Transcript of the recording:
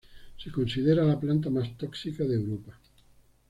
Se considera la planta más tóxica de Europa.